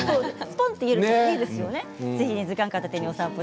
ぽんって言えるのいいですよね。